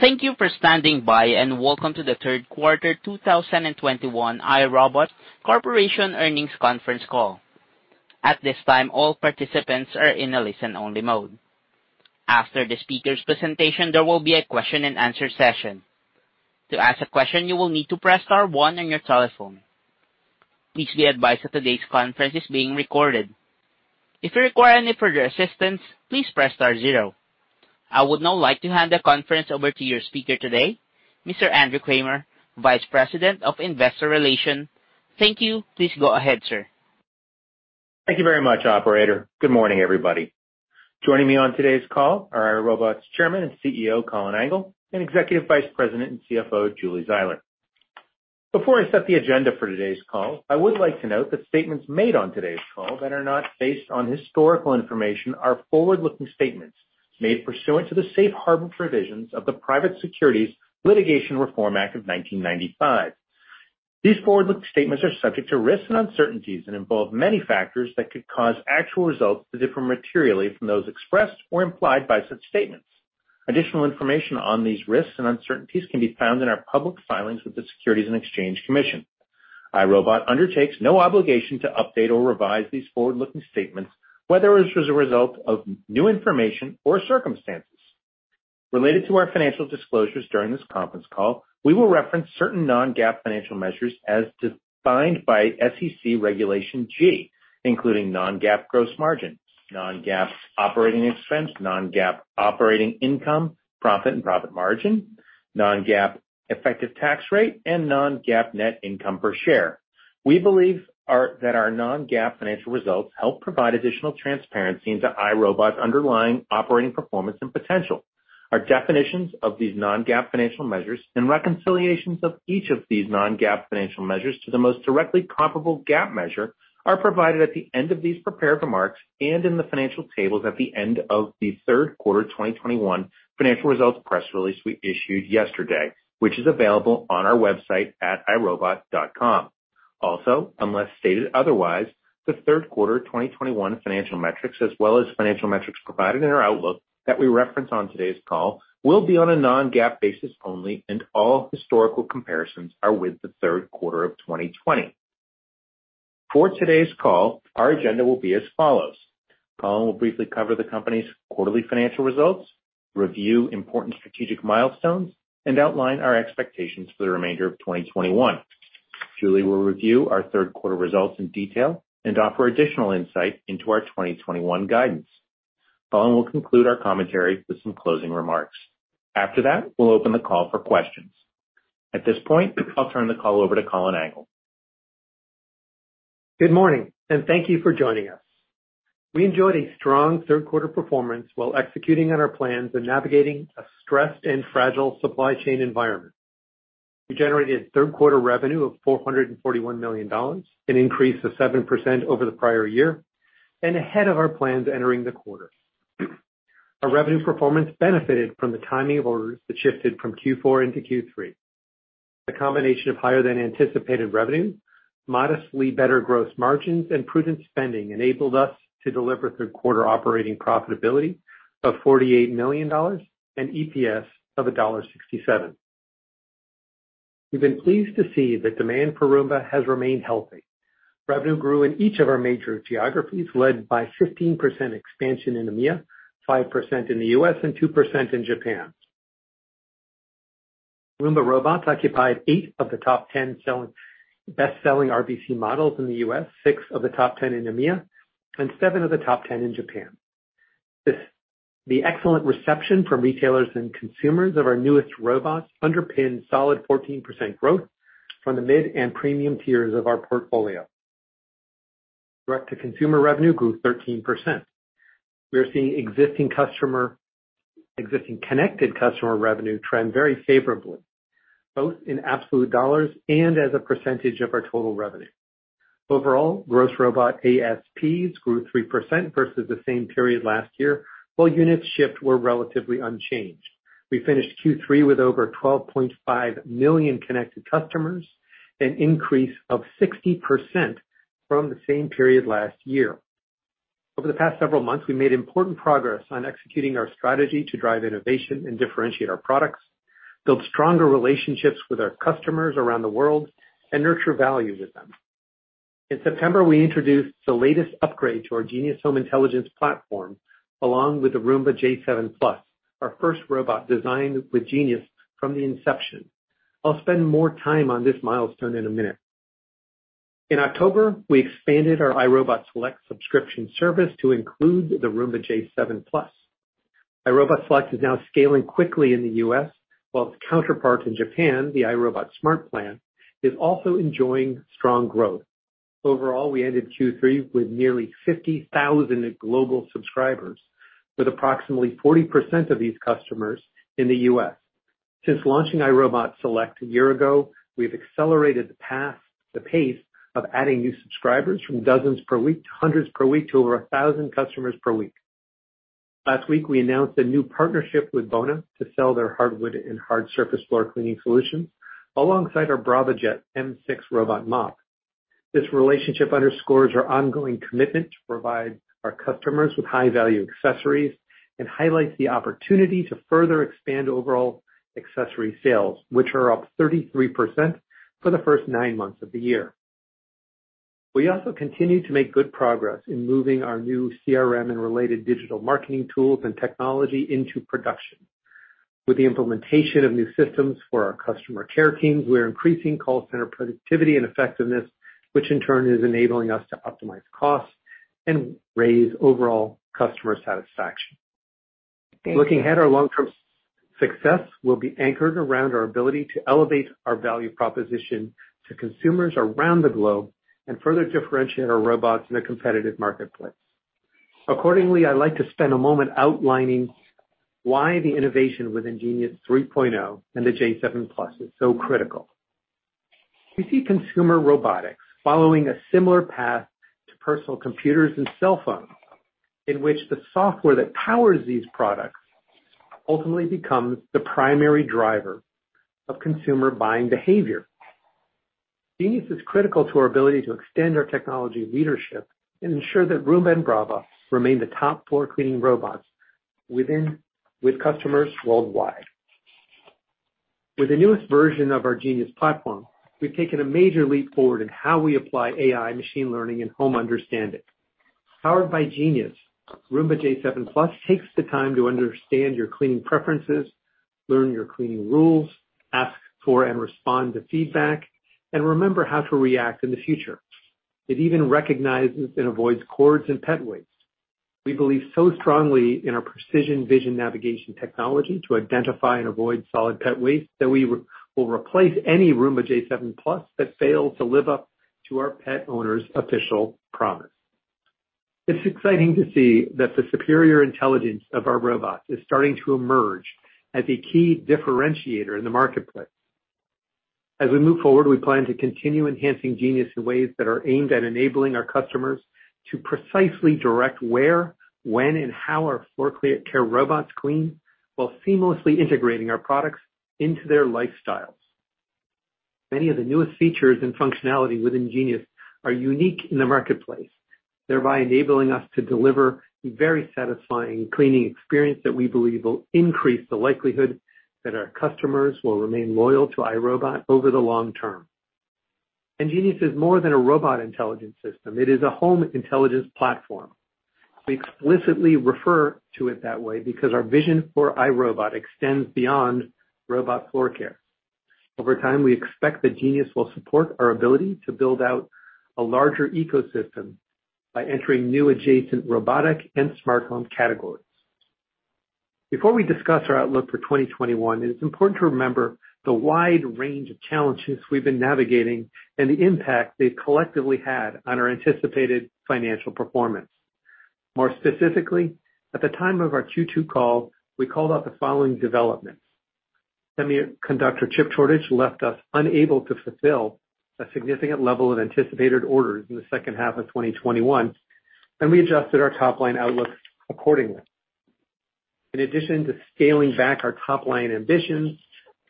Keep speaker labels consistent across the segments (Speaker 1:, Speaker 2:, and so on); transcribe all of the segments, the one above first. Speaker 1: Thank you for standing by, and welcome to the Third Quarter 2021 iRobot Corporation Earnings Conference Call. At this time, all participants are in a listen-only mode. After the speaker's presentation, there will be a question-and-answer session. To ask a question, you will need to press star one on your telephone. Please be advised that today's conference is being recorded. If you require any further assistance, please press star zero. I would now like to hand the conference over to your speaker today, Mr. Andrew Kramer, Vice President of Investor Relations. Thank you. Please go ahead, sir.
Speaker 2: Thank you very much, operator. Good morning, everybody. Joining me on today's call are iRobot's Chairman and CEO, Colin Angle, and Executive Vice President and CFO, Julie Zeiler. Before I set the agenda for today's call, I would like to note that statements made on today's call that are not based on historical information are forward-looking statements made pursuant to the safe harbor provisions of the Private Securities Litigation Reform Act of 1995. These forward-looking statements are subject to risks and uncertainties and involve many factors that could cause actual results to differ materially from those expressed or implied by such statements. Additional information on these risks and uncertainties can be found in our public filings with the Securities and Exchange Commission. iRobot undertakes no obligation to update or revise these forward-looking statements, whether as a result of new information or circumstances. Related to our financial disclosures during this conference call, we will reference certain non-GAAP financial measures as defined by SEC Regulation G, including non-GAAP gross margin, non-GAAP operating expense, non-GAAP operating income, profit and profit margin, non-GAAP effective tax rate, and non-GAAP net income per share. We believe that our non-GAAP financial results help provide additional transparency into iRobot's underlying operating performance and potential. Our definitions of these non-GAAP financial measures and reconciliations of each of these non-GAAP financial measures to the most directly comparable GAAP measure are provided at the end of these prepared remarks and in the financial tables at the end of the third quarter 2021 financial results press release we issued yesterday, which is available on our website at irobot.com. Also, unless stated otherwise, the third quarter 2021 financial metrics as well as financial metrics provided in our outlook that we reference on today's call will be on a non-GAAP basis only, and all historical comparisons are with the third quarter of 2020. For today's call, our agenda will be as follows, Colin will briefly cover the company's quarterly financial results, review important strategic milestones, and outline our expectations for the remainder of 2021. Julie will review our third quarter results in detail and offer additional insight into our 2021 guidance. Colin will conclude our commentary with some closing remarks. After that, we'll open the call for questions. At this point, I'll turn the call over to Colin Angle.
Speaker 3: Good morning, and thank you for joining us. We enjoyed a strong third quarter performance while executing on our plans and navigating a stressed and fragile supply chain environment. We generated third quarter revenue of $441 million, an increase of 7% over the prior year and ahead of our plans entering the quarter. Our revenue performance benefited from the timing of orders that shifted from Q4 into Q3. The combination of higher than anticipated revenue, modestly better gross margins, and prudent spending enabled us to deliver third quarter operating profitability of $48 million and EPS of $1.67. We've been pleased to see that demand for Roomba has remained healthy. Revenue grew in each of our major geographies, led by 15% expansion in EMEA, 5% in the U.S., and 2% in Japan. Roomba robots occupied 8 of the top 10 best-selling RVC models in the U.S., 6 of the top 10 in EMEA, and 7 of the top 10 in Japan. The excellent reception from retailers and consumers of our newest robots underpinned solid 14% growth from the mid and premium tiers of our portfolio. Direct-to-consumer revenue grew 13%. We are seeing existing connected customer revenue trend very favorably, both in absolute dollars and as a percentage of our total revenue. Overall, gross robot ASPs grew 3% versus the same period last year, while units shipped were relatively unchanged. We finished Q3 with over 12.5 million connected customers, an increase of 60% from the same period last year. Over the past several months, we made important progress on executing our strategy to drive innovation and differentiate our products, build stronger relationships with our customers around the world, and nurture value with them. In September, we introduced the latest upgrade to our Genius home intelligence platform, along with the Roomba j7+, our first robot designed with Genius from the inception. I'll spend more time on this milestone in a minute. In October, we expanded our iRobot Select subscription service to include the Roomba j7+. iRobot Select is now scaling quickly in the U.S., while its counterpart in Japan, the iRobot Smart Plan, is also enjoying strong growth. Overall, we ended Q3 with nearly 50,000 global subscribers, with approximately 40% of these customers in the U.S. Since launching iRobot Select a year ago, we've accelerated the pace of adding new subscribers from dozens per week to hundreds per week to over 1,000 customers per week. Last week, we announced a new partnership with Bona to sell their hardwood and hard surface floor cleaning solutions alongside our Braava jet m6 robot mop. This relationship underscores our ongoing commitment to provide our customers with high-value accessories and highlights the opportunity to further expand overall accessory sales, which are up 33% for the first nine months of the year. We also continue to make good progress in moving our new CRM and related digital marketing tools and technology into production. With the implementation of new systems for our customer care teams, we are increasing call center productivity and effectiveness, which in turn is enabling us to optimize costs and raise overall customer satisfaction. Looking ahead, our long-term success will be anchored around our ability to elevate our value proposition to consumers around the globe and further differentiate our robots in a competitive marketplace. Accordingly, I'd like to spend a moment outlining why the innovation within Genius 3.0 and the j7+ is so critical. We see consumer robotics following a similar path to personal computers and cell phones, in which the software that powers these products ultimately becomes the primary driver of consumer buying behavior. Genius is critical to our ability to extend our technology leadership and ensure that Roomba and Braava remain the top floor cleaning robots with customers worldwide. With the newest version of our Genius platform, we've taken a major leap forward in how we apply AI, machine learning, and home understanding. Powered by Genius, Roomba j7+ takes the time to understand your cleaning preferences, learn your cleaning rules, ask for and respond to feedback, and remember how to react in the future. It even recognizes and avoids cords and pet waste. We believe so strongly in our PrecisionVision Navigation technology to identify and avoid solid pet waste that we will replace any Roomba j7+ that fail to live up to our Pet Owner Official Promise. It's exciting to see that the superior intelligence of our robots is starting to emerge as a key differentiator in the marketplace. We plan to continue enhancing Genius in ways that are aimed at enabling our customers to precisely direct where, when, and how our floor cleaning robots clean while seamlessly integrating our products into their lifestyles. Many of the newest features and functionality within Genius are unique in the marketplace, thereby enabling us to deliver a very satisfying cleaning experience that we believe will increase the likelihood that our customers will remain loyal to iRobot over the long term. Genius is more than a robot intelligence system. It is a home intelligence platform. We explicitly refer to it that way because our vision for iRobot extends beyond robot floor care. Over time, we expect that Genius will support our ability to build out a larger ecosystem by entering new adjacent robotic and smart home categories. Before we discuss our outlook for 2021, it is important to remember the wide range of challenges we've been navigating and the impact they've collectively had on our anticipated financial performance. More specifically, at the time of our Q2 call, we called out the following developments. Semiconductor chip shortage left us unable to fulfill a significant level of anticipated orders in the second half of 2021, and we adjusted our top-line outlook accordingly. In addition to scaling back our top-line ambitions,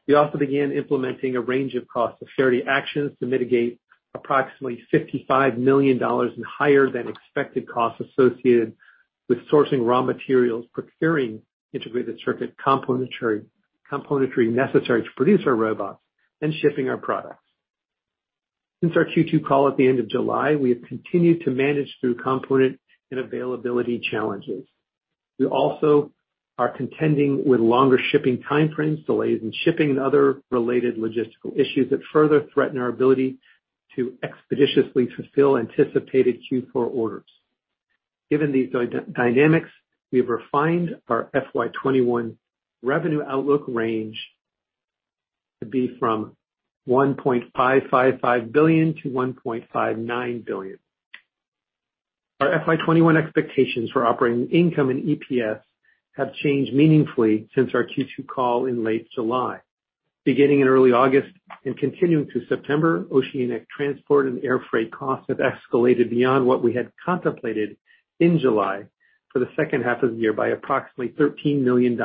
Speaker 3: we also began implementing a range of cost austerity actions to mitigate approximately $55 million in higher than expected costs associated with sourcing raw materials, procuring integrated circuit componentry necessary to produce our robots, and shipping our products. Since our Q2 call at the end of July, we have continued to manage through component and availability challenges. We also are contending with longer shipping time frames, delays in shipping, and other related logistical issues that further threaten our ability to expeditiously fulfill anticipated Q4 orders. Given these dynamics, we've refined our FY 2021 revenue outlook range to be from $1.555 billion-$1.59 billion. Our FY 2021 expectations for operating income and EPS have changed meaningfully since our Q2 call in late July. Beginning in early August and continuing to September, oceanic transport and airfreight costs have escalated beyond what we had contemplated in July for the second half of the year by approximately $13 million.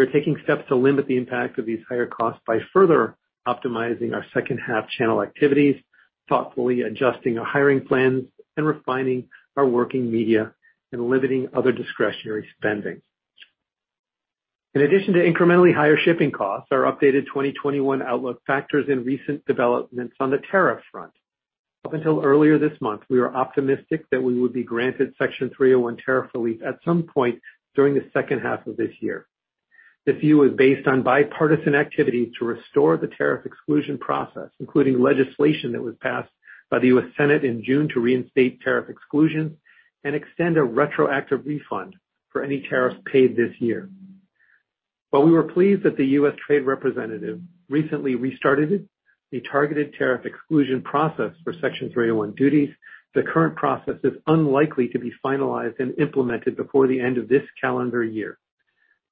Speaker 3: We are taking steps to limit the impact of these higher costs by further optimizing our second half channel activities, thoughtfully adjusting our hiring plans, and refining our working capital, and limiting other discretionary spending. In addition to incrementally higher shipping costs, our updated 2021 outlook factors in recent developments on the tariff front. Up until earlier this month, we were optimistic that we would be granted Section 301 tariff relief at some point during the second half of this year. This view is based on bipartisan activity to restore the tariff exclusion process, including legislation that was passed by the U.S. Senate in June to reinstate tariff exclusions and extend a retroactive refund for any tariffs paid this year. While we were pleased that the U.S. Trade Representative recently restarted the targeted tariff exclusion process for Section 301 duties, the current process is unlikely to be finalized and implemented before the end of this calendar year.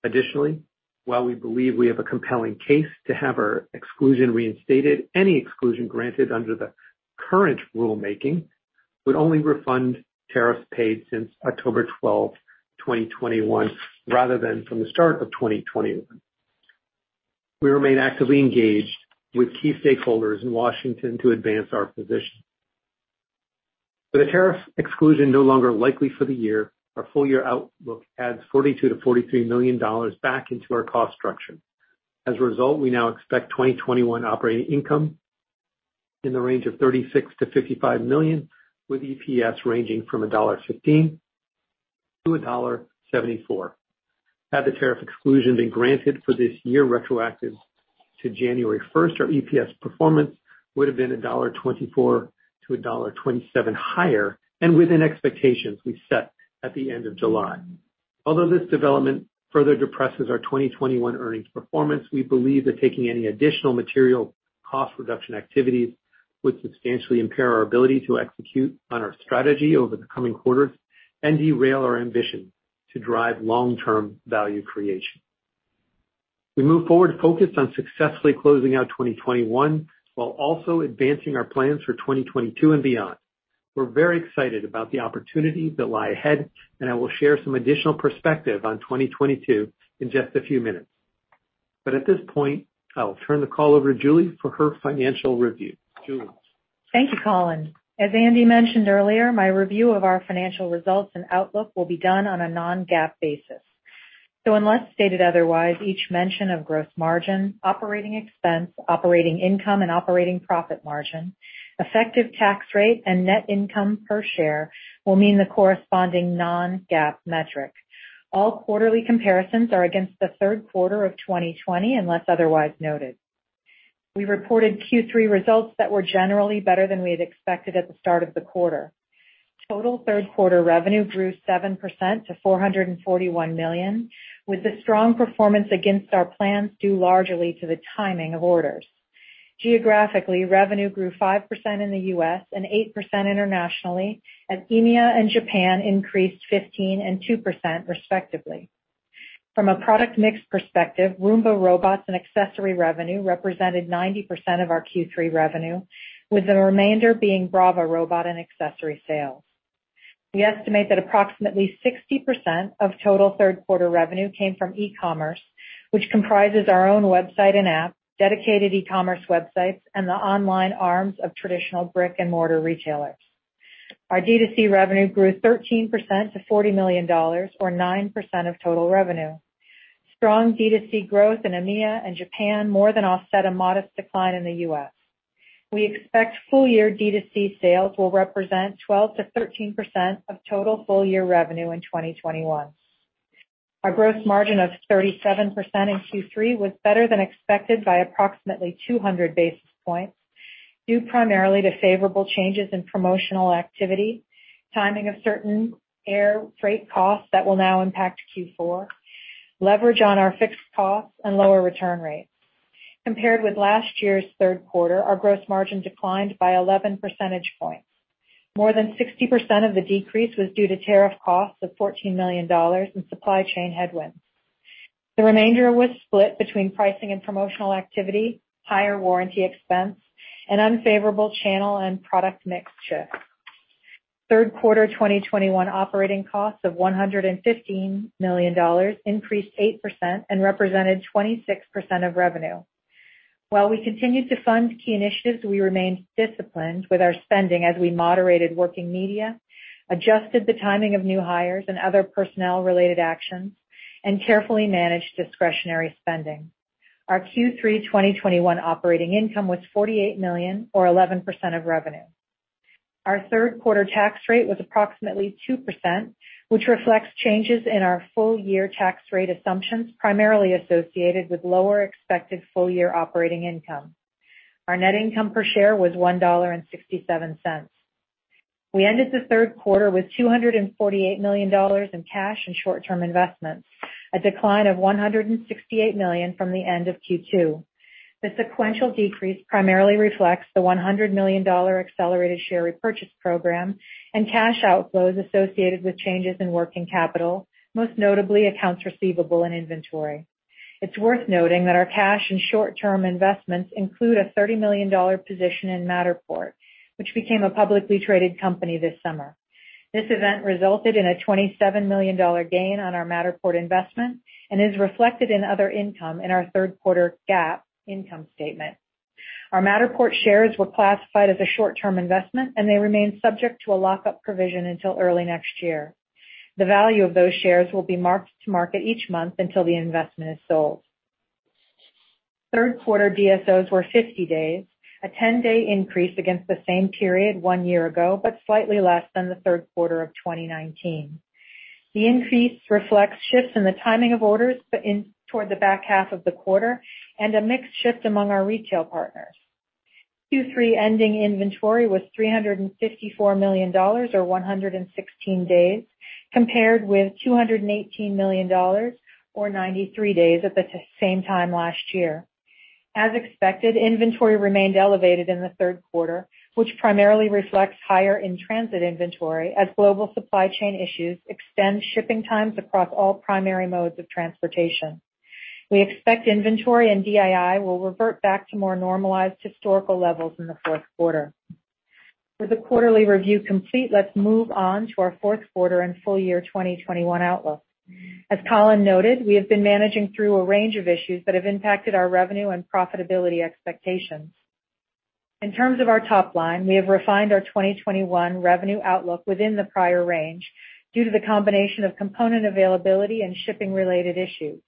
Speaker 3: Additionally, while we believe we have a compelling case to have our exclusion reinstated, any exclusion granted under the current rulemaking would only refund tariffs paid since October 12, 2021, rather than from the start of 2020. We remain actively engaged with key stakeholders in Washington to advance our position. With a tariff exclusion no longer likely for the year, our full year outlook adds $42 million-$43 million back into our cost structure. As a result, we now expect 2021 operating income in the range of $36 million-$55 million, with EPS ranging from $1.15-$1.74. Had the tariff exclusion been granted for this year retroactive to January first, our EPS performance would have been $1.24-$1.27 higher and within expectations we set at the end of July. Although this development further depresses our 2021 earnings performance, we believe that taking any additional material cost reduction activities would substantially impair our ability to execute on our strategy over the coming quarters and derail our ambition to drive long-term value creation. We move forward focused on successfully closing out 2021, while also advancing our plans for 2022 and beyond. We're very excited about the opportunities that lie ahead, and I will share some additional perspective on 2022 in just a few minutes. At this point, I'll turn the call over to Julie for her financial review. Julie?
Speaker 4: Thank you, Colin. As Andy mentioned earlier, my review of our financial results and outlook will be done on a non-GAAP basis. Unless stated otherwise, each mention of gross margin, operating expense, operating income, and operating profit margin, effective tax rate, and net income per share will mean the corresponding non-GAAP metric. All quarterly comparisons are against the third quarter of 2020, unless otherwise noted. We reported Q3 results that were generally better than we had expected at the start of the quarter. Total third quarter revenue grew 7% to $441 million, with the strong performance against our plans due largely to the timing of orders. Geographically, revenue grew 5% in the U.S. and 8% internationally, as EMEA and Japan increased 15% and 2% respectively. From a product mix perspective, Roomba robots and accessory revenue represented 90% of our Q3 revenue, with the remainder being Braava robot and accessory sales. We estimate that approximately 60% of total third quarter revenue came from e-commerce, which comprises our own website and app, dedicated e-commerce websites, and the online arms of traditional brick-and-mortar retailers. Our D2C revenue grew 13% to $40 million or 9% of total revenue. Strong D2C growth in EMEA and Japan more than offset a modest decline in the U.S. We expect full year D2C sales will represent 12%-13% of total full year revenue in 2021. Our gross margin of 37% in Q3 was better than expected by approximately 200 basis points, due primarily to favorable changes in promotional activity, timing of certain air freight costs that will now impact Q4, leverage on our fixed costs, and lower return rates. Compared with last year's third quarter, our gross margin declined by 11 percentage points. More than 60% of the decrease was due to tariff costs of $14 million and supply chain headwinds. The remainder was split between pricing and promotional activity, higher warranty expense, and unfavorable channel and product mix shift. Third quarter operating costs of $115 million increased 8% and represented 26% of revenue. While we continued to fund key initiatives, we remained disciplined with our spending as we moderated working media, adjusted the timing of new hires and other personnel related actions, and carefully managed discretionary spending. Our Q3 2021 operating income was $48 million or 11% of revenue. Our third quarter tax rate was approximately 2%, which reflects changes in our full year tax rate assumptions, primarily associated with lower expected full year operating income. Our net income per share was $1.67. We ended the third quarter with $248 million in cash and short-term investments, a decline of $168 million from the end of Q2. The sequential decrease primarily reflects the $100 million accelerated share repurchase program and cash outflows associated with changes in working capital, most notably accounts receivable and inventory. It's worth noting that our cash and short-term investments include a $30 million position in Matterport, which became a publicly traded company this summer. This event resulted in a $27 million gain on our Matterport investment and is reflected in other income in our third quarter GAAP income statement. Our Matterport shares were classified as a short-term investment, and they remain subject to a lock-up provision until early next year. The value of those shares will be marked to market each month until the investment is sold. Third quarter DSOs were 50 days, a 10-day increase against the same period one year ago, but slightly less than the third quarter of 2019. The increase reflects shifts in the timing of orders, pulled in toward the back half of the quarter and a mix shift among our retail partners. Q3 ending inventory was $354 million or 116 days, compared with $218 million or 93 days at the same time last year. As expected, inventory remained elevated in the third quarter, which primarily reflects higher in transit inventory as global supply chain issues extend shipping times across all primary modes of transportation. We expect inventory and DII will revert back to more normalized historical levels in the fourth quarter. With the quarterly review complete, let's move on to our fourth quarter and full year 2021 outlook. As Colin noted, we have been managing through a range of issues that have impacted our revenue and profitability expectations. In terms of our top line, we have refined our 2021 revenue outlook within the prior range due to the combination of component availability and shipping related issues.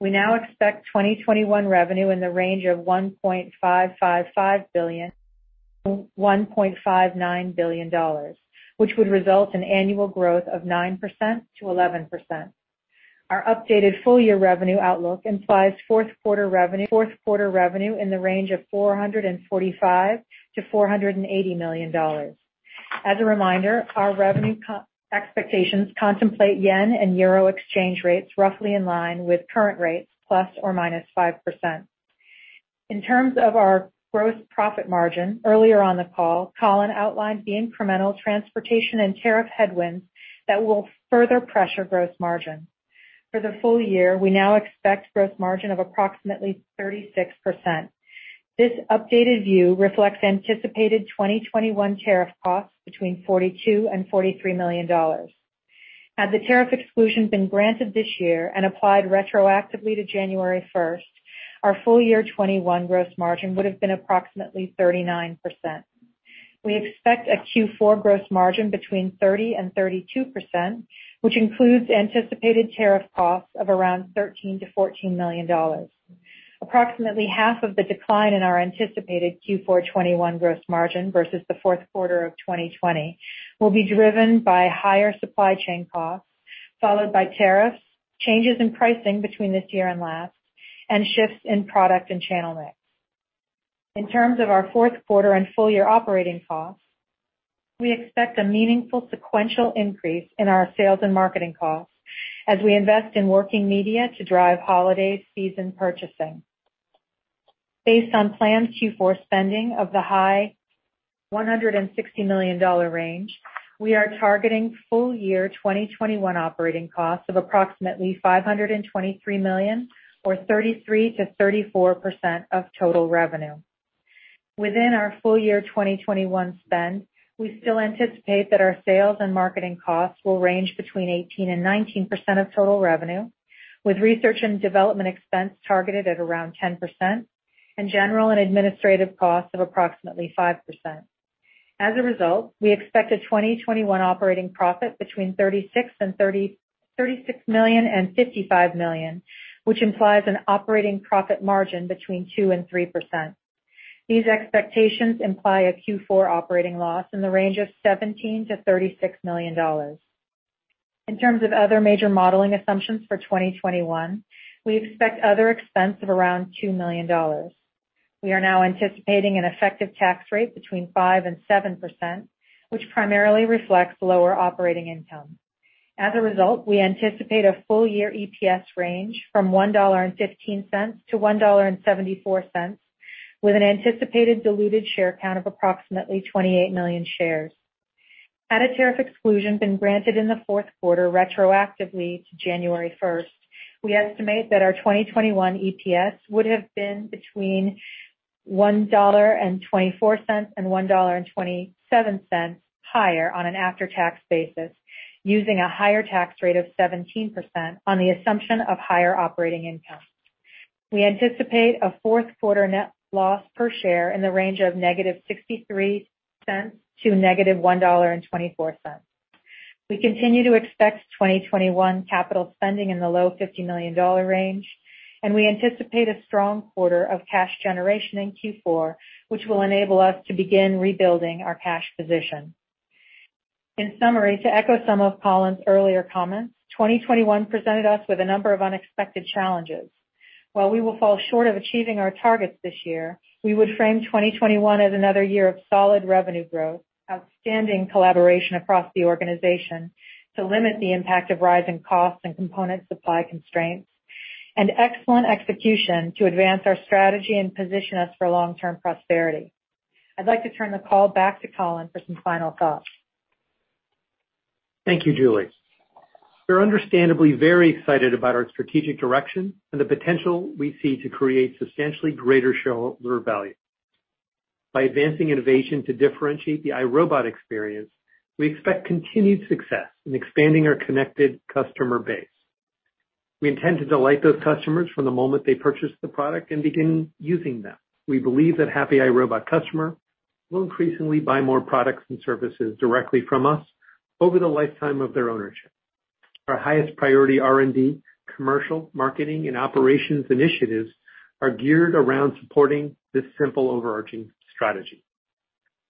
Speaker 4: We now expect 2021 revenue in the range of $1.555 billion-$1.59 billion, which would result in annual growth of 9%-11%. Our updated full-year revenue outlook implies fourth quarter revenue in the range of $445 million-$480 million. As a reminder, our revenue co-expectations contemplate yen and euro exchange rates roughly in line with current rates, ±5%. In terms of our gross profit margin, earlier on the call, Colin outlined the incremental transportation and tariff headwinds that will further pressure gross margin. For the full year, we now expect gross margin of approximately 36%. This updated view reflects anticipated 2021 tariff costs between $42 million-$43 million. Had the tariff exclusion been granted this year and applied retroactively to January 1, our full year 2021 gross margin would have been approximately 39%. We expect a Q4 gross margin between 30%-32%, which includes anticipated tariff costs of around $13 million-$14 million. Approximately half of the decline in our anticipated Q4 2021 gross margin versus the fourth quarter of 2020 will be driven by higher supply chain costs, followed by tariffs, changes in pricing between this year and last, and shifts in product and channel mix. In terms of our fourth quarter and full year operating costs, we expect a meaningful sequential increase in our sales and marketing costs as we invest in working media to drive holiday season purchasing. Based on planned Q4 spending of the high $160 million range, we are targeting full-year 2021 operating costs of approximately $523 million or 33%-34% of total revenue. Within our full-year 2021 spend, we still anticipate that our sales and marketing costs will range between 18% and 19% of total revenue, with research and development expense targeted at around 10% and general and administrative costs of approximately 5%. As a result, we expect a 2021 operating profit between $36 million and $55 million, which implies an operating profit margin between 2% and 3%. These expectations imply a Q4 operating loss in the range of $17 million-$36 million. In terms of other major modeling assumptions for 2021, we expect other expense of around $2 million. We are now anticipating an effective tax rate between 5%-7%, which primarily reflects lower operating income. As a result, we anticipate a full year EPS range from $1.15-$1.74, with an anticipated diluted share count of approximately 28 million shares. Had a tariff exclusion been granted in the fourth quarter retroactively to January first, we estimate that our 2021 EPS would have been between $1.24 and $1.27 higher on an after-tax basis, using a higher tax rate of 17% on the assumption of higher operating income. We anticipate a fourth quarter net loss per share in the range of -$0.63 to -$1.24. We continue to expect 2021 capital spending in the low $50 million range, and we anticipate a strong quarter of cash generation in Q4, which will enable us to begin rebuilding our cash position. In summary, to echo some of Colin's earlier comments, 2021 presented us with a number of unexpected challenges. While we will fall short of achieving our targets this year, we would frame 2021 as another year of solid revenue growth, outstanding collaboration across the organization to limit the impact of rising costs and component supply constraints, and excellent execution to advance our strategy and position us for long-term prosperity. I'd like to turn the call back to Colin for some final thoughts.
Speaker 3: Thank you, Julie. We are understandably very excited about our strategic direction and the potential we see to create substantially greater shareholder value. By advancing innovation to differentiate the iRobot experience, we expect continued success in expanding our connected customer base. We intend to delight those customers from the moment they purchase the product and begin using them. We believe that happy iRobot customer will increasingly buy more products and services directly from us over the lifetime of their ownership. Our highest priority R&D, commercial, marketing, and operations initiatives are geared around supporting this simple overarching strategy.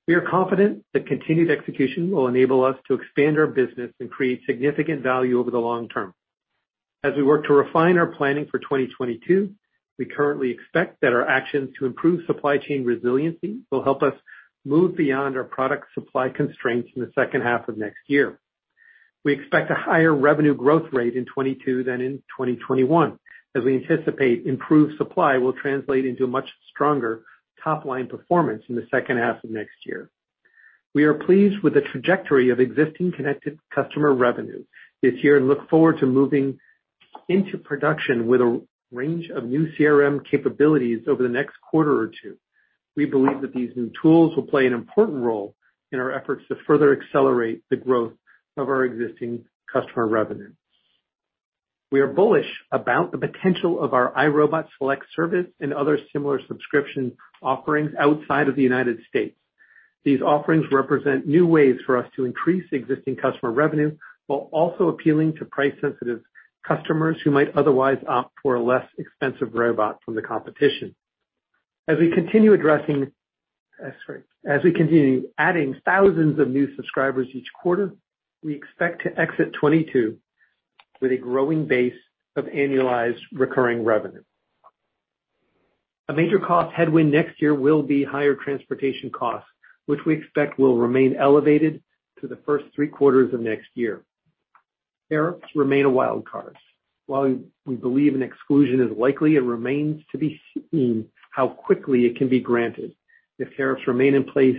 Speaker 3: We are confident that continued execution will enable us to expand our business and create significant value over the long term. As we work to refine our planning for 2022, we currently expect that our actions to improve supply chain resiliency will help us move beyond our product supply constraints in the second half of next year. We expect a higher revenue growth rate in 2022 than in 2021, as we anticipate improved supply will translate into much stronger top-line performance in the second half of next year. We are pleased with the trajectory of existing connected customer revenue this year and look forward to moving into production with a range of new CRM capabilities over the next quarter or two. We believe that these new tools will play an important role in our efforts to further accelerate the growth of our existing customer revenue. We are bullish about the potential of our iRobot Select service and other similar subscription offerings outside of the United States. These offerings represent new ways for us to increase existing customer revenue while also appealing to price-sensitive customers who might otherwise opt for a less expensive robot from the competition. As we continue adding thousands of new subscribers each quarter, we expect to exit 2022 with a growing base of annualized recurring revenue. A major cost headwind next year will be higher transportation costs, which we expect will remain elevated through the first three quarters of next year. Tariffs remain a wild card. While we believe an exclusion is likely, it remains to be seen how quickly it can be granted. If tariffs remain in place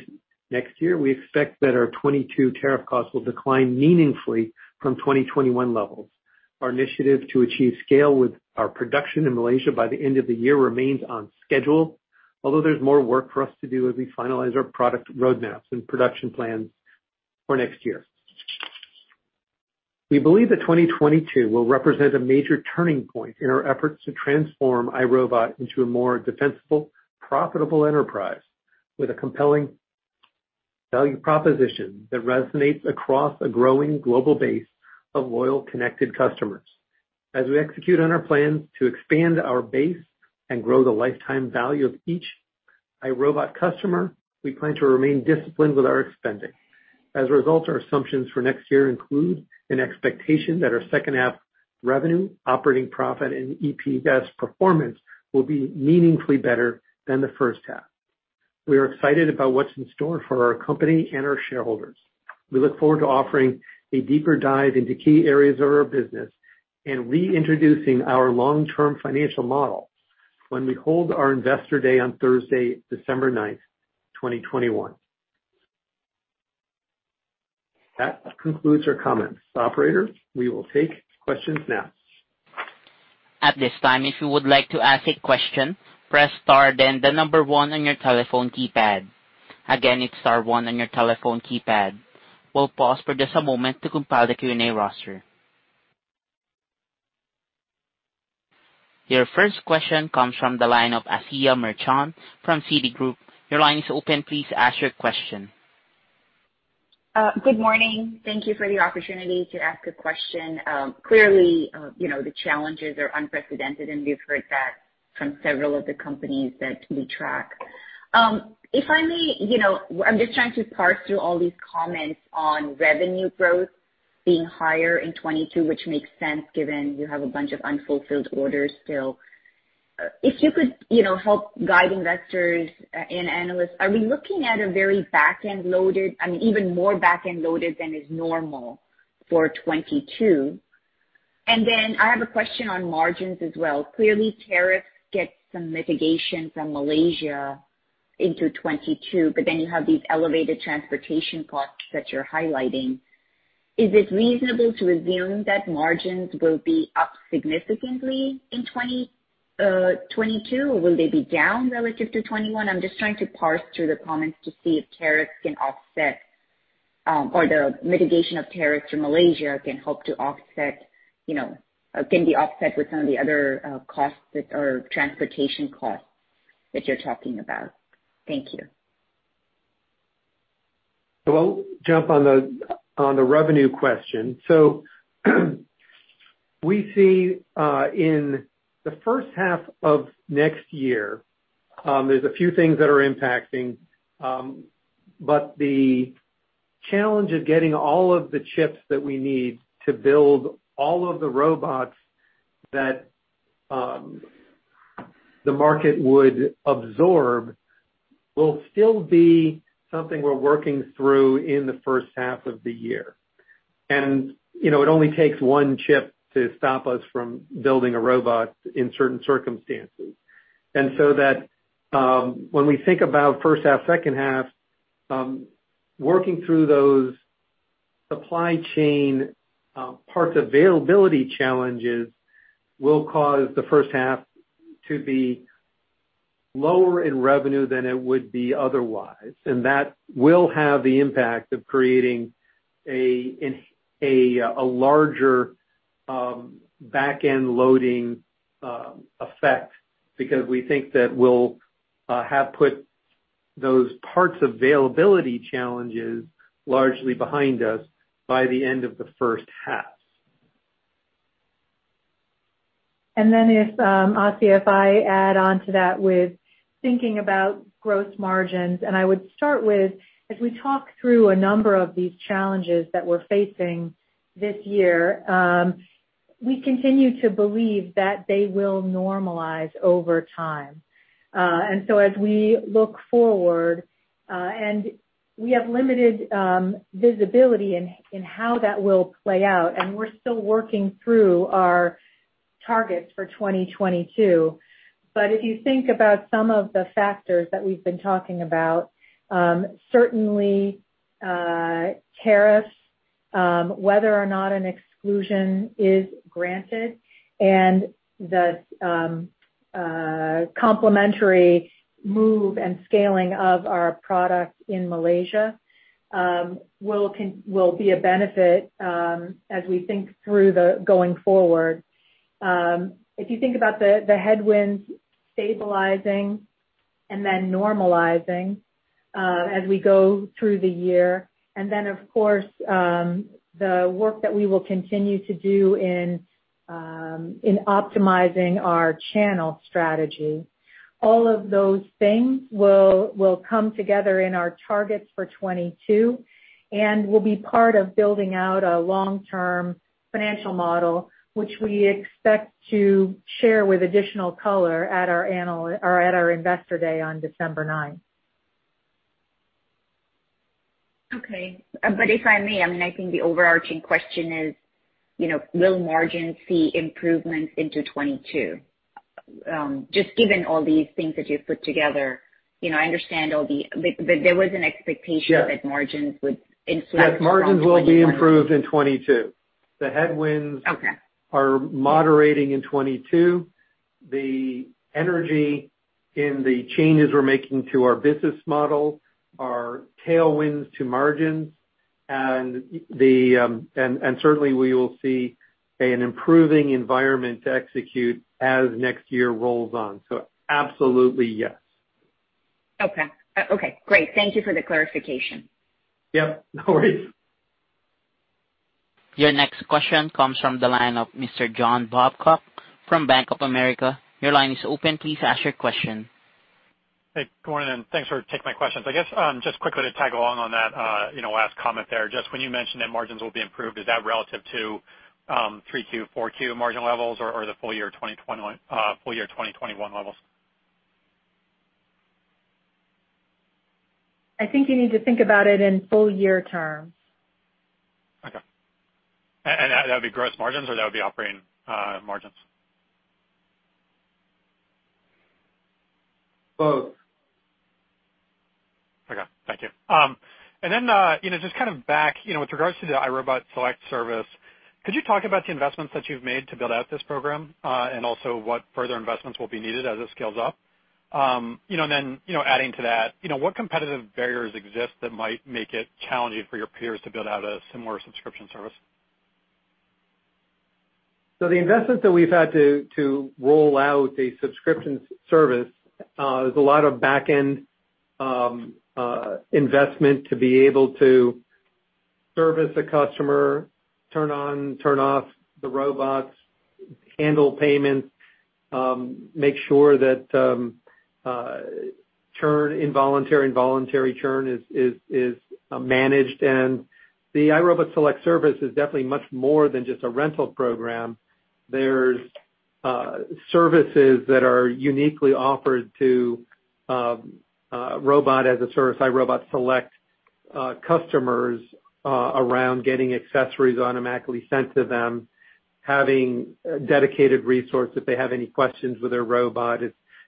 Speaker 3: next year, we expect that our 2022 tariff costs will decline meaningfully from 2021 levels. Our initiative to achieve scale with our production in Malaysia by the end of the year remains on schedule. Although there's more work for us to do as we finalize our product roadmaps and production plans for next year. We believe that 2022 will represent a major turning point in our efforts to transform iRobot into a more defensible, profitable enterprise with a compelling value proposition that resonates across a growing global base of loyal, connected customers. As we execute on our plan to expand our base and grow the lifetime value of each iRobot customer, we plan to remain disciplined with our spending. As a result, our assumptions for next year include an expectation that our second half revenue, operating profit, and EPS performance will be meaningfully better than the first half. We are excited about what's in store for our company and our shareholders. We look forward to offering a deeper dive into key areas of our business and reintroducing our long-term financial model when we hold our Investor Day on Thursday, December 9, 2021. That concludes our comments. Operator, we will take questions now.
Speaker 1: At this time, if you would like to ask a question, press star then the number one on your telephone keypad. Again, it's star one on your telephone keypad. We'll pause for just a moment to compile the Q&A roster. Your first question comes from the line of Asiya Merchant from Citigroup. Your line is open. Please ask your question.
Speaker 5: Good morning. Thank you for the opportunity to ask a question. Clearly, you know, the challenges are unprecedented, and we've heard that from several of the companies that we track. If I may, you know, I'm just trying to parse through all these comments on revenue growth being higher in 2022, which makes sense given you have a bunch of unfulfilled orders still. If you could, you know, help guide investors and analysts, are we looking at a very back-end loaded, I mean, even more back-end loaded than is normal for 2022? And then I have a question on margins as well. Clearly, tariffs get some mitigation from Malaysia into 2022, but then you have these elevated transportation costs that you're highlighting. Is it reasonable to assume that margins will be up significantly in 2022? Or will they be down relative to 2021? I'm just trying to parse through the comments to see if tariffs can offset, or the mitigation of tariffs from Malaysia can help to offset, can be offset with some of the other costs that are transportation costs that you're talking about. Thank you.
Speaker 3: I'll jump on the revenue question. We see in the first half of next year, there's a few things that are impacting, but the challenge of getting all of the chips that we need to build all of the robots that the market would absorb will still be something we're working through in the first half of the year. You know, it only takes one chip to stop us from building a robot in certain circumstances. When we think about first half, second half, working through those supply chain parts availability challenges will cause the first half to be lower in revenue than it would be otherwise. That will have the impact of creating a larger back-end loading effect, because we think that we'll have put those parts availability challenges largely behind us by the end of the first half.
Speaker 4: Asiya, if I add onto that with thinking about gross margins, and I would start with, as we talk through a number of these challenges that we're facing this year, we continue to believe that they will normalize over time. And so as we look forward, and we have limited visibility in how that will play out, and we're still working through our targets for 2022. But if you think about some of the factors that we've been talking about, certainly Tariffs, whether or not an exclusion is granted and the complementary move and scaling of our product in Malaysia will be a benefit as we think through the going forward. If you think about the headwinds stabilizing and then normalizing as we go through the year, and then of course the work that we will continue to do in optimizing our channel strategy, all of those things will come together in our targets for 2022 and will be part of building out a long-term financial model, which we expect to share with additional color at our investor day on December 9th.
Speaker 5: Okay. If I may, I mean, I think the overarching question is, you know, will margins see improvements into 2022? Just given all these things that you've put together. You know, I understand all the, but there was an expectation.
Speaker 3: Sure.
Speaker 5: that margins would influence from 2020
Speaker 3: Yes, margins will be improved in 2022. The headwinds.
Speaker 5: Okay.
Speaker 3: are moderating in 2022. The energy in the changes we're making to our business model are tailwinds to margins, and certainly we will see an improving environment to execute as next year rolls on. Absolutely, yes.
Speaker 5: Okay. Great. Thank you for the clarification.
Speaker 3: Yep, no worries.
Speaker 1: Your next question comes from the line of Mr. John Babcock from Bank of America. Your line is open. Please ask your question.
Speaker 6: Hey, good morning, and thanks for taking my questions. I guess, just quickly to tag along on that, you know, last comment there, just when you mentioned that margins will be improved, is that relative to 3Q, 4Q margin levels or the full year 2020, full year 2021 levels?
Speaker 4: I think you need to think about it in full year terms.
Speaker 6: Okay. That would be gross margins, or that would be operating margins?
Speaker 3: Both.
Speaker 6: Okay, thank you. You know, just kind of back, you know, with regards to the iRobot Select service, could you talk about the investments that you've made to build out this program, and also what further investments will be needed as it scales up? You know, adding to that, you know, what competitive barriers exist that might make it challenging for your peers to build out a similar subscription service?
Speaker 3: The investments that we've had to to roll out a subscription service is a lot of back-end investment to be able to service a customer, turn on, turn off the robots, handle payments, make sure that churn, involuntary and voluntary churn is managed. The iRobot Select service is definitely much more than just a rental program. There's services that are uniquely offered to robot-as-a-service, iRobot Select customers around getting accessories automatically sent to them, having a dedicated resource if they have any questions with their robot.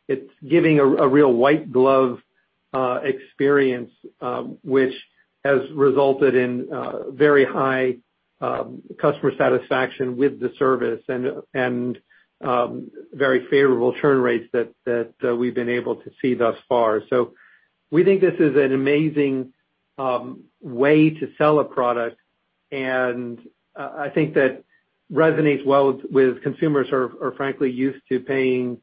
Speaker 3: It's giving a real white glove experience, which has resulted in very high customer satisfaction with the service and very favorable churn rates that we've been able to see thus far. We think this is an amazing way to sell a product, and I think that resonates well with consumers who are frankly used to paying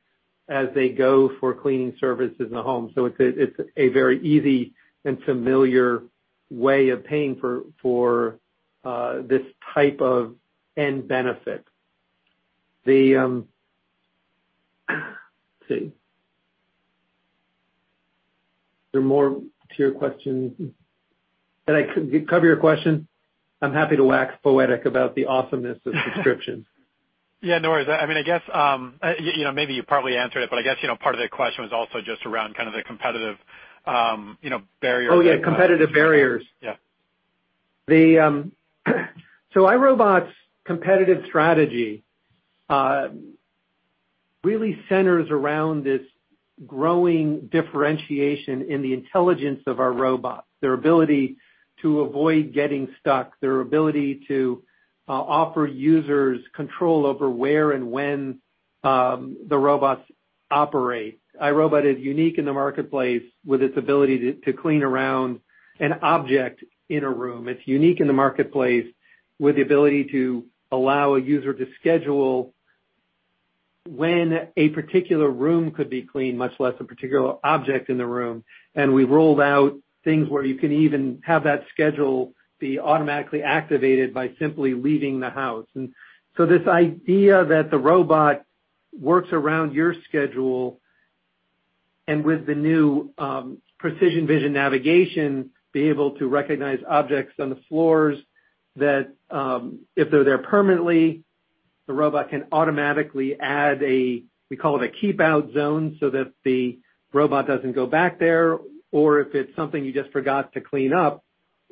Speaker 3: as they go for cleaning services in the home. It's a very easy and familiar way of paying for this type of end benefit. Let's see. There's more to your question. Did I cover your question? I'm happy to wax poetic about the awesomeness of subscriptions.
Speaker 6: Yeah, no worries. I mean, I guess, you know, maybe you probably answered it, but I guess, you know, part of the question was also just around kind of the competitive, you know, barriers and
Speaker 3: Oh, yeah, competitive barriers.
Speaker 6: Yeah.
Speaker 3: iRobot's competitive strategy really centers around this growing differentiation in the intelligence of our robots, their ability to avoid getting stuck, their ability to offer users control over where and when the robots operate. iRobot is unique in the marketplace with its ability to clean around an object in a room. It's unique in the marketplace with the ability to allow a user to schedule when a particular room could be cleaned, much less a particular object in the room. We've rolled out things where you can even have that schedule be automatically activated by simply leaving the house. This idea that the robot works around your schedule and with the new PrecisionVision Navigation, be able to recognize objects on the floors that, if they're there permanently, the robot can automatically add a, we call it a keep out zone, so that the robot doesn't go back there. Or if it's something you just forgot to clean up,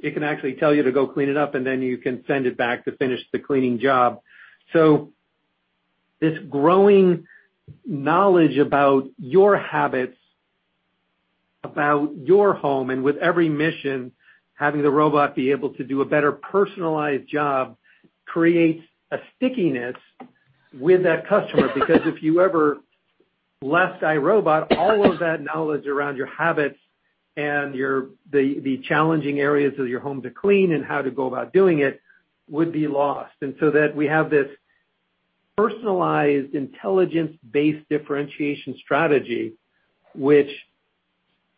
Speaker 3: it can actually tell you to go clean it up, and then you can send it back to finish the cleaning job. This growing knowledge about your habits, about your home, and with every mission, having the robot be able to do a better personalized job creates a stickiness with that customer. Because if you ever left iRobot, all of that knowledge around your habits and your the challenging areas of your home to clean and how to go about doing it would be lost. That we have this personalized intelligence-based differentiation strategy, which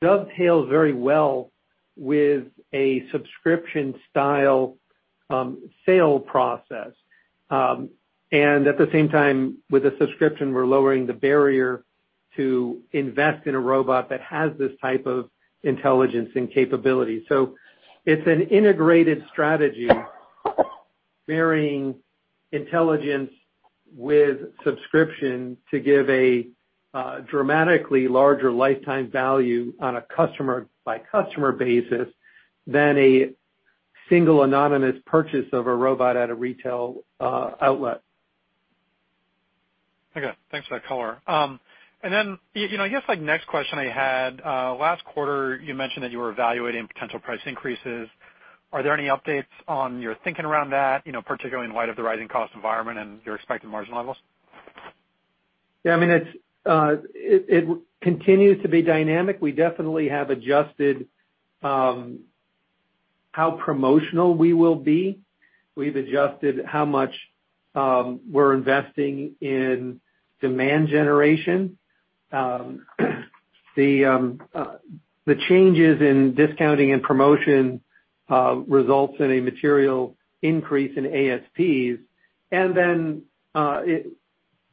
Speaker 3: dovetails very well with a subscription style sale process. At the same time, with a subscription, we're lowering the barrier to invest in a robot that has this type of intelligence and capability. It's an integrated strategy marrying intelligence with subscription to give a dramatically larger lifetime value on a customer by customer basis than a single anonymous purchase of a robot at a retail outlet.
Speaker 6: Okay. Thanks for that color. You know, I guess, like next question I had, last quarter, you mentioned that you were evaluating potential price increases. Are there any updates on your thinking around that, you know, particularly in light of the rising cost environment and your expected margin levels?
Speaker 3: Yeah, I mean, it continues to be dynamic. We definitely have adjusted how promotional we will be. We've adjusted how much we're investing in demand generation. The changes in discounting and promotion results in a material increase in ASPs.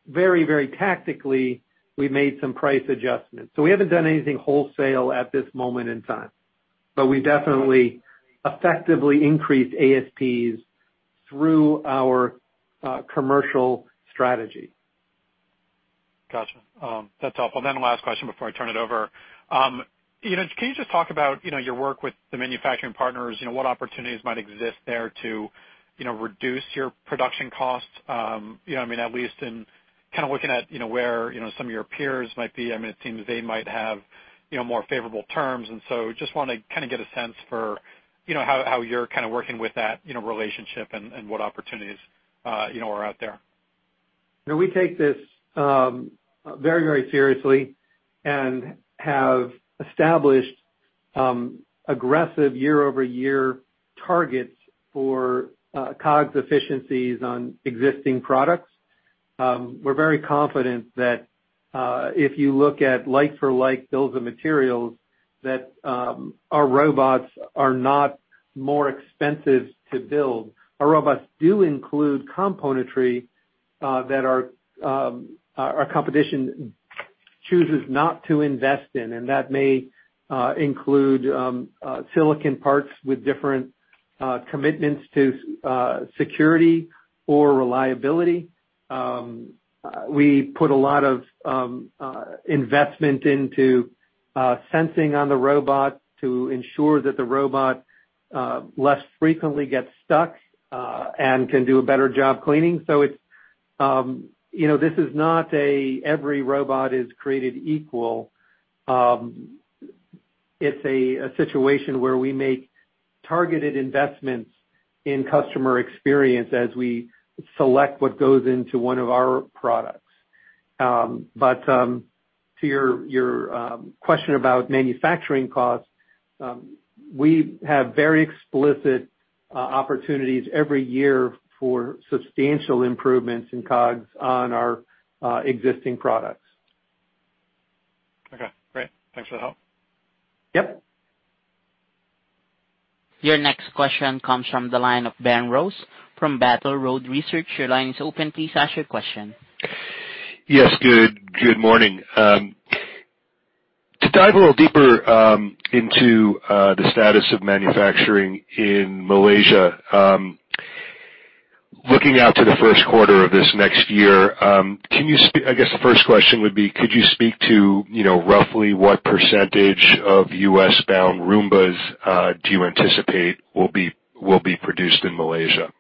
Speaker 3: Very, very tactically, we made some price adjustments. We haven't done anything wholesale at this moment in time, but we definitely effectively increased ASPs through our commercial strategy.
Speaker 6: Gotcha. That's helpful. The last question before I turn it over. You know, can you just talk about, you know, your work with the manufacturing partners, you know, what opportunities might exist there to, you know, reduce your production costs? You know, I mean, at least in kind of looking at, you know, where, you know, some of your peers might be. I mean, it seems they might have, you know, more favorable terms. Just wanna kind of get a sense for, you know, how you're kind of working with that, you know, relationship and what opportunities, you know, are out there.
Speaker 3: You know, we take this very, very seriously and have established aggressive year-over-year targets for COGS efficiencies on existing products. We're very confident that if you look at like-for-like bills of materials that our robots are not more expensive to build. Our robots do include componentry that our competition chooses not to invest in, and that may include silicon parts with different commitments to security or reliability. We put a lot of investment into sensing on the robot to ensure that the robot less frequently gets stuck and can do a better job cleaning. It's, you know, this is not every robot is created equal. It's a situation where we make targeted investments in customer experience as we select what goes into one of our products. To your question about manufacturing costs, we have very explicit opportunities every year for substantial improvements in COGS on our existing products.
Speaker 6: Okay, great. Thanks for the help.
Speaker 3: Yep.
Speaker 1: Your next question comes from the line of Ben Rose from Battle Road Research. Your line is open. Please ask your question.
Speaker 7: Yes, good morning. To dive a little deeper into the status of manufacturing in Malaysia, looking out to the first quarter of this next year, I guess the first question would be, could you speak to, you know, roughly what percentage of U.S.-bound Roombas do you anticipate will be produced in Malaysia?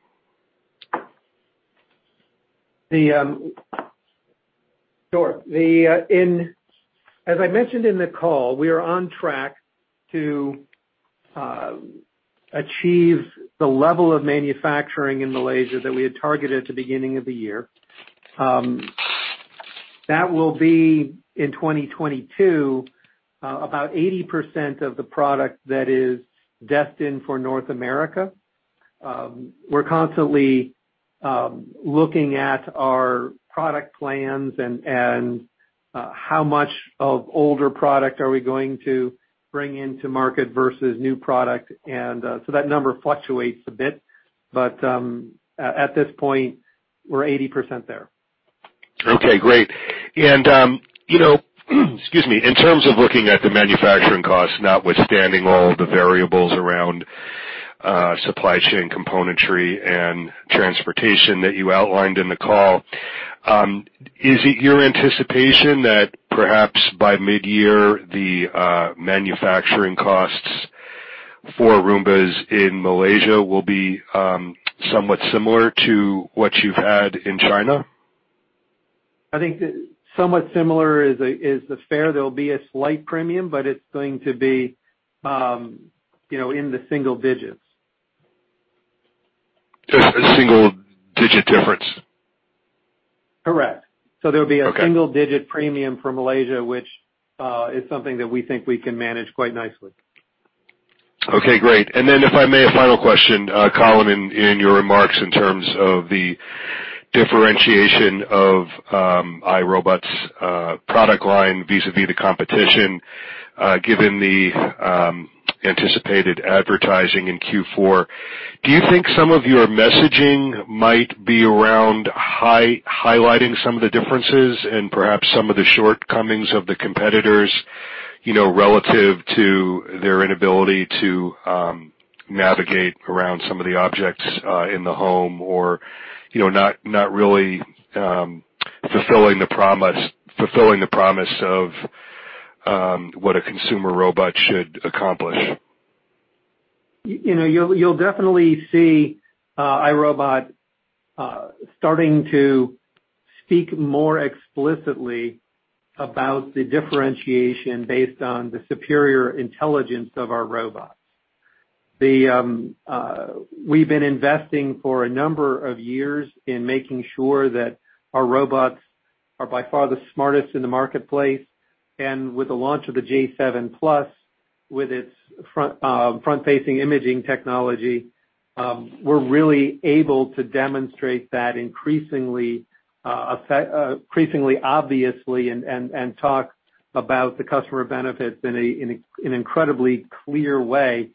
Speaker 3: As I mentioned in the call, we are on track to achieve the level of manufacturing in Malaysia that we had targeted at the beginning of the year. That will be in 2022, about 80% of the product that is destined for North America. We're constantly looking at our product plans and how much of older product are we going to bring to market versus new product. So that number fluctuates a bit, but at this point, we're 80% there.
Speaker 7: Okay, great. Excuse me. In terms of looking at the manufacturing costs, notwithstanding all the variables around supply chain componentry and transportation that you outlined in the call, is it your anticipation that perhaps by mid-year the manufacturing costs for Roomba's in Malaysia will be somewhat similar to what you've had in China?
Speaker 3: I think somewhat similar is fair. There'll be a slight premium, but it's going to be, you know, in the single digits.
Speaker 7: A single-digit difference?
Speaker 3: Correct.
Speaker 7: Okay.
Speaker 3: There'll be a single-digit premium for Malaysia, which is something that we think we can manage quite nicely.
Speaker 7: Okay, great. If I may, a final question. Colin, in your remarks, in terms of the differentiation of iRobot's product line vis-a-vis the competition, given the anticipated advertising in Q4, do you think some of your messaging might be around highlighting some of the differences and perhaps some of the shortcomings of the competitors, you know, relative to their inability to navigate around some of the objects in the home, or, you know, not really fulfilling the promise of what a consumer robot should accomplish?
Speaker 3: You know, you'll definitely see iRobot starting to speak more explicitly about the differentiation based on the superior intelligence of our robots. We've been investing for a number of years in making sure that our robots are by far the smartest in the marketplace. With the launch of the j7+, with its front-facing imaging technology, we're really able to demonstrate that increasingly obviously and talk about the customer benefits in an incredibly clear way.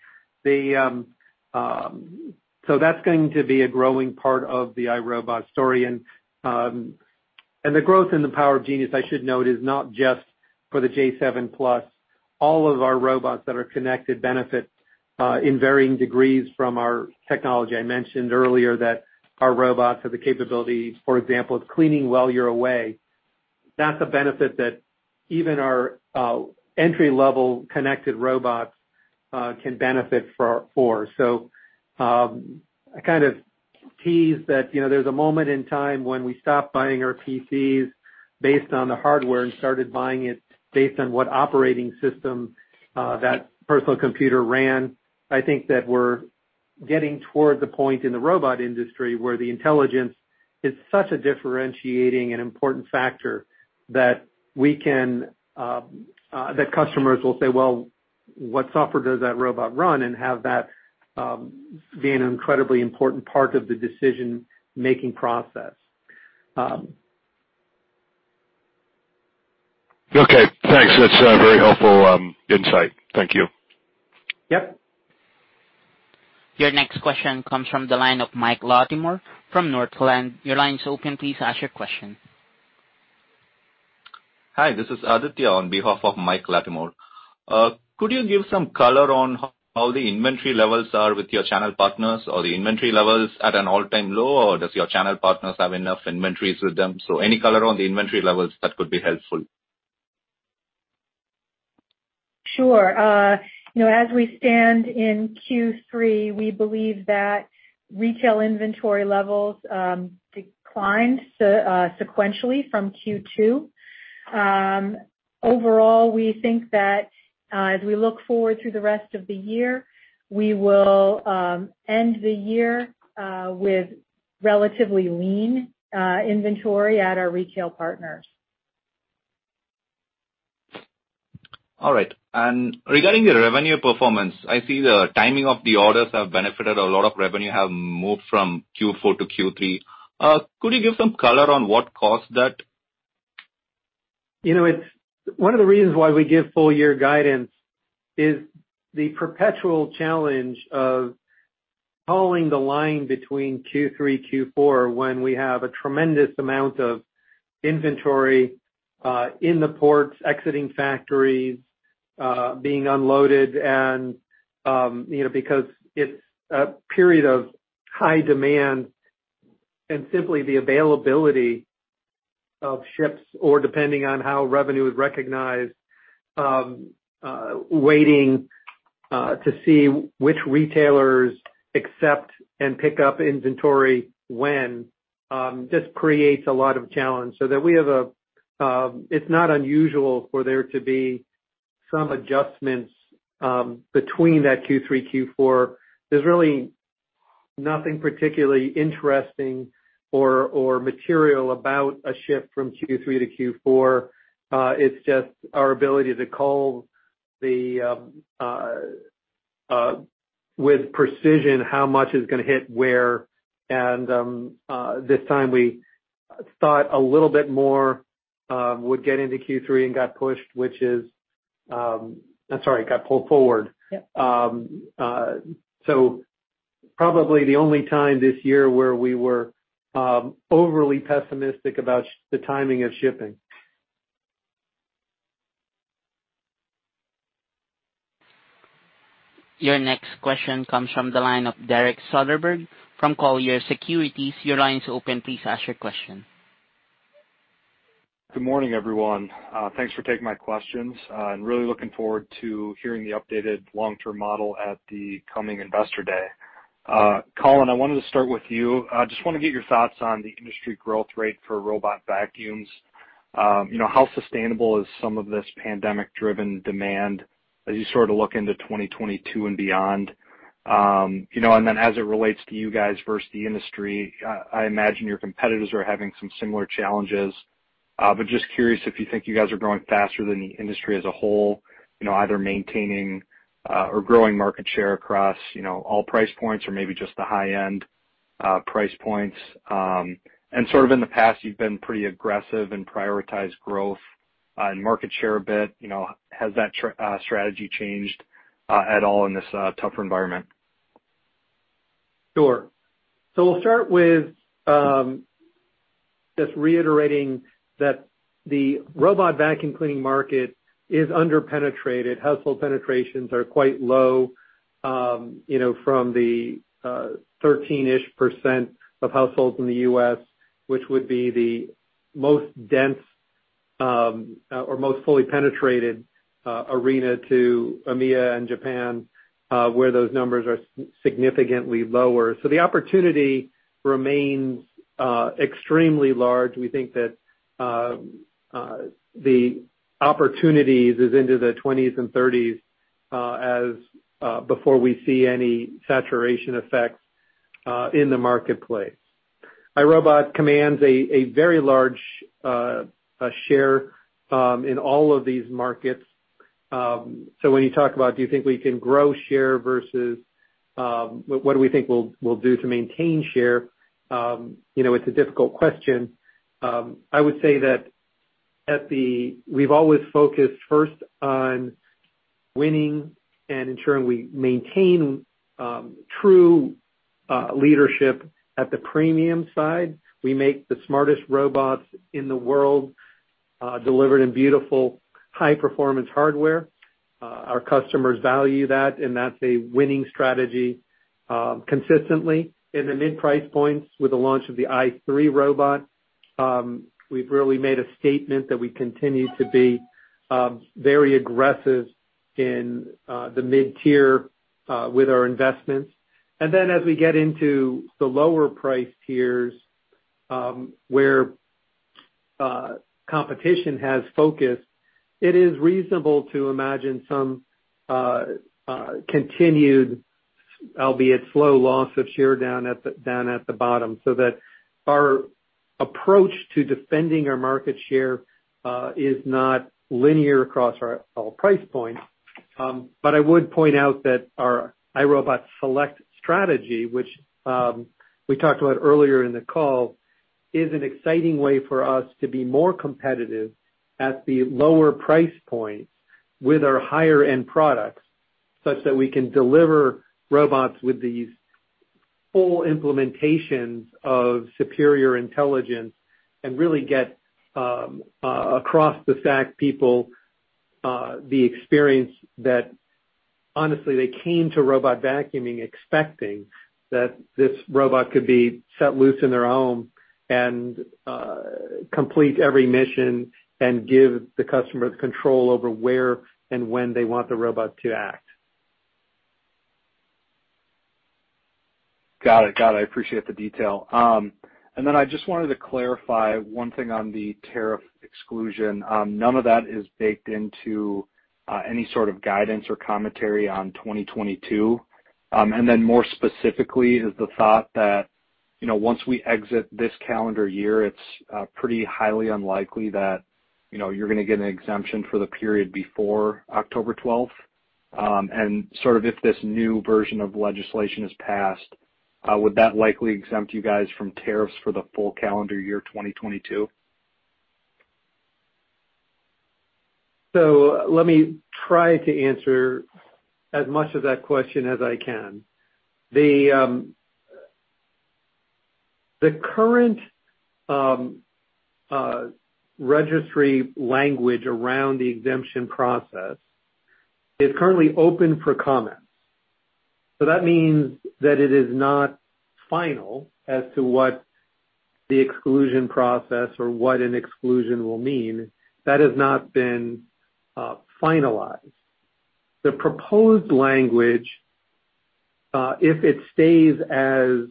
Speaker 3: That's going to be a growing part of the iRobot story. The growth in iRobot Genius, I should note, is not just for the j7+. All of our robots that are connected benefit in varying degrees from our technology. I mentioned earlier that our robots have the capability, for example, of cleaning while you're away. That's a benefit that even our entry-level connected robots can benefit from. I kind of teased that, you know, there's a moment in time when we stop buying our PCs based on the hardware and started buying it based on what operating system that personal computer ran. I think that we're getting toward the point in the robot industry where the intelligence is such a differentiating and important factor that customers will say, "Well, what software does that robot run?" Have that be an incredibly important part of the decision-making process.
Speaker 7: Okay, thanks. That's a very helpful insight. Thank you.
Speaker 3: Yep.
Speaker 1: Your next question comes from the line of Mike Latimore from Northland. Your line is open. Please ask your question.
Speaker 8: Hi, this is Aditya on behalf of Mike Latimore. Could you give some color on how the inventory levels are with your channel partners or the inventory levels at an all-time low, or does your channel partners have enough inventories with them? Any color on the inventory levels, that could be helpful.
Speaker 4: Sure. You know, as we stand in Q3, we believe that retail inventory levels declined sequentially from Q2. Overall, we think that as we look forward through the rest of the year, we will end the year with relatively lean inventory at our retail partners.
Speaker 8: All right. Regarding the revenue performance, I see the timing of the orders have benefited. A lot of revenue have moved from Q4 to Q3. Could you give some color on what caused that?
Speaker 3: You know, it's one of the reasons why we give full year guidance is the perpetual challenge of following the line between Q3, Q4, when we have a tremendous amount of inventory in the ports, exiting factories, being unloaded, and, you know, because it's a period of high demand and simply the availability of ships or depending on how revenue is recognized, waiting to see which retailers accept and pick up inventory when just creates a lot of challenge. It's not unusual for there to be some adjustments between that Q3, Q4. There's really nothing particularly interesting or material about a shift from Q3 to Q4. It's just our ability to call it with precision how much is gonna hit where. This time, we thought a little bit more would get into Q3 and got pulled forward.
Speaker 4: Yep.
Speaker 3: Probably the only time this year where we were overly pessimistic about the timing of shipping.
Speaker 1: Your next question comes from the line of Derek Soderberg from Colliers Securities. Your line is open. Please ask your question.
Speaker 9: Good morning, everyone. Thanks for taking my questions, and really looking forward to hearing the updated long-term model at the coming investor day. Colin, I wanted to start with you. I just wanna get your thoughts on the industry growth rate for robot vacuums. You know, how sustainable is some of this pandemic-driven demand as you sort of look into 2022 and beyond? You know, and then as it relates to you guys versus the industry, I imagine your competitors are having some similar challenges. Just curious if you think you guys are growing faster than the industry as a whole, you know, either maintaining or growing market share across, you know, all price points or maybe just the high-end price points. Sort of in the past, you've been pretty aggressive and prioritized growth and market share a bit, you know. Has that strategy changed at all in this tougher environment?
Speaker 3: Sure. We'll start with just reiterating that the robot vacuum cleaning market is under-penetrated. Household penetrations are quite low, you know, from the 13-ish percent of households in the U.S., which would be the most dense or most fully penetrated arena to EMEA and Japan, where those numbers are significantly lower. The opportunity remains extremely large. We think that the opportunities is into the 20s and 30s, as before we see any saturation effects in the marketplace. iRobot commands a very large share in all of these markets. When you talk about do you think we can grow share versus what do we think we'll do to maintain share, you know, it's a difficult question. I would say that at the... We've always focused first on winning and ensuring we maintain true leadership at the premium side. We make the smartest robots in the world, delivered in beautiful high-performance hardware. Our customers value that, and that's a winning strategy, consistently. In the mid price points, with the launch of the i3 robot, we've really made a statement that we continue to be very aggressive in the mid-tier with our investments. As we get into the lower price tiers, where competition has focused, it is reasonable to imagine some continued, albeit slow, loss of share down at the bottom, so that our approach to defending our market share is not linear across our all price points. I would point out that our iRobot Select strategy, which we talked about earlier in the call, is an exciting way for us to be more competitive at the lower price points with our higher-end products, such that we can deliver robots with these full implementations of superior intelligence and really get across to people the experience that honestly they came to robot vacuuming expecting that this robot could be set loose in their home and complete every mission and give the customer the control over where and when they want the robot to act.
Speaker 9: Got it. I appreciate the detail. I just wanted to clarify one thing on the tariff exclusion. None of that is baked into any sort of guidance or commentary on 2022? More specifically, is the thought that, you know, once we exit this calendar year, it's pretty highly unlikely that, you know, you're gonna get an exemption for the period before October 12th. Sort of if this new version of legislation is passed, would that likely exempt you guys from tariffs for the full calendar year, 2022?
Speaker 3: Let me try to answer as much of that question as I can. The current registry language around the exemption process is currently open for comment. That means that it is not final as to what the exclusion process or what an exclusion will mean. That has not been finalized. The proposed language, if it stays as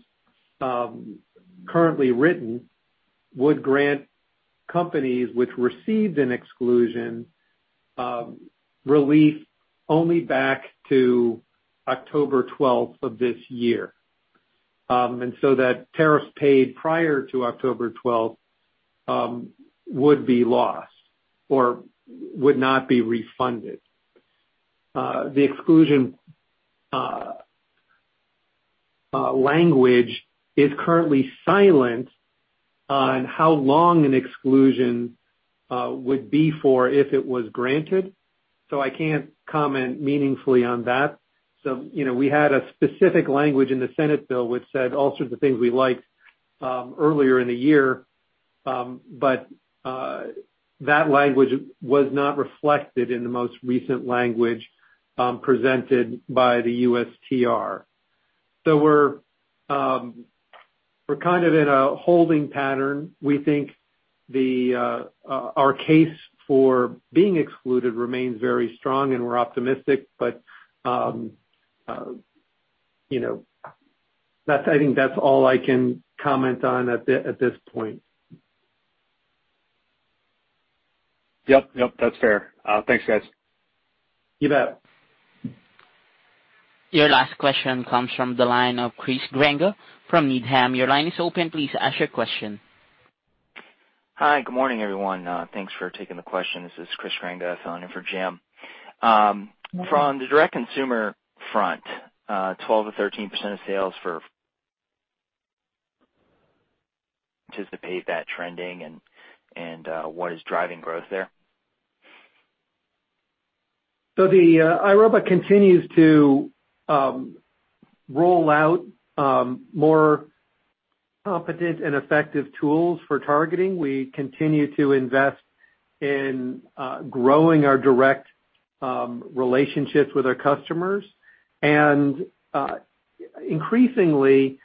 Speaker 3: currently written, would grant companies which received an exclusion, relief only back to October 12th of this year. That tariff paid prior to October 12th would be lost or would not be refunded. The exclusion language is currently silent on how long an exclusion would be for if it was granted, so I can't comment meaningfully on that. You know, we had a specific language in the Senate bill which said all sorts of things we liked earlier in the year, but that language was not reflected in the most recent language presented by the USTR. We're kind of in a holding pattern. We think our case for being excluded remains very strong and we're optimistic, but you know, that's. I think that's all I can comment on at this point.
Speaker 9: Yep. Yep, that's fair. Thanks, guys.
Speaker 3: You bet.
Speaker 1: Your last question comes from the line of Chris Grenga from Needham & Company. Your line is open. Please ask your question.
Speaker 10: Hi, good morning, everyone. Thanks for taking the question. This is Chris Grenga filling in for Jim. From the direct consumer front, 12%-13% of sales. Anticipate that trending and what is driving growth there?
Speaker 3: The iRobot continues to roll out more competent and effective tools for targeting. We continue to invest in growing our direct relationships with our customers. Increasingly,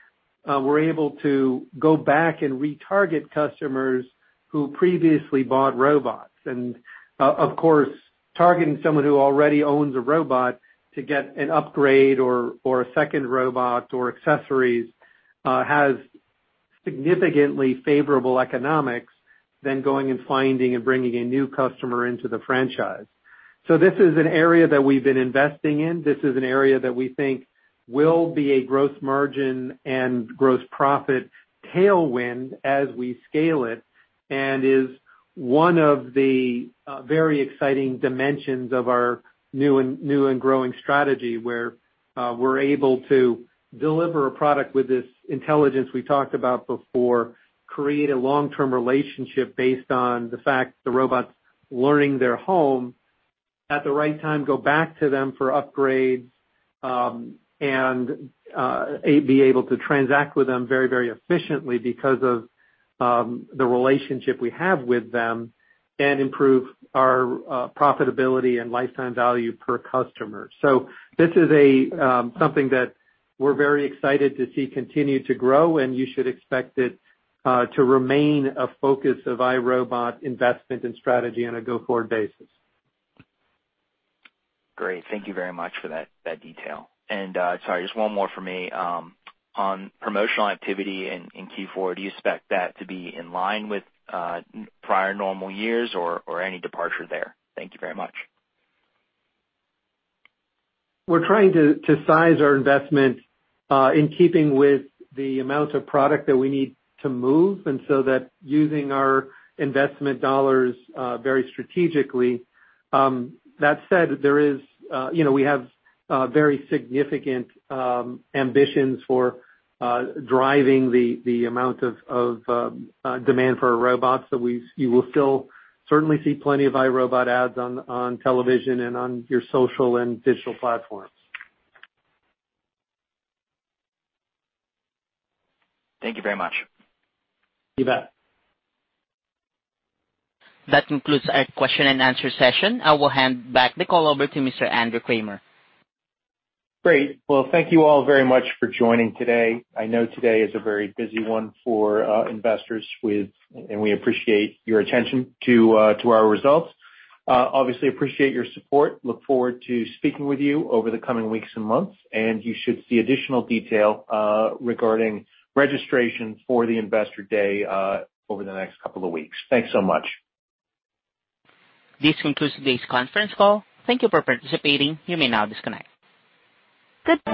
Speaker 3: we're able to go back and retarget customers who previously bought robots. Of course, targeting someone who already owns a robot to get an upgrade or a second robot or accessories has significantly favorable economics than going and finding and bringing a new customer into the franchise. This is an area that we've been investing in. This is an area that we think will be a growth margin and gross profit tailwind as we scale it, and is one of the very exciting dimensions of our new and growing strategy, where we're able to deliver a product with this intelligence we talked about before, create a long-term relationship based on the fact the robot's learning their home, at the right time, go back to them for upgrades, and be able to transact with them very, very efficiently because of the relationship we have with them and improve our profitability and lifetime value per customer. So this is something that we're very excited to see continue to grow, and you should expect it to remain a focus of iRobot investment and strategy on a go-forward basis.
Speaker 10: Great. Thank you very much for that detail. Sorry, just one more for me. On promotional activity in Q4, do you expect that to be in line with prior normal years or any departure there? Thank you very much.
Speaker 3: We're trying to size our investment in keeping with the amount of product that we need to move, and so that using our investment dollars very strategically. That said, there is, you know, we have very significant ambitions for driving the amount of demand for our robots. You will still certainly see plenty of iRobot ads on television and on your social and digital platforms.
Speaker 10: Thank you very much.
Speaker 3: You bet.
Speaker 1: That concludes our question and answer session. I will hand back the call over to Mr. Andrew Kramer.
Speaker 2: Great. Well, thank you all very much for joining today. I know today is a very busy one for investors, and we appreciate your attention to our results. Obviously appreciate your support. Look forward to speaking with you over the coming weeks and months, and you should see additional detail regarding registration for the Investor Day over the next couple of weeks. Thanks so much.
Speaker 1: This concludes today's conference call. Thank you for participating. You may now disconnect. Goodbye.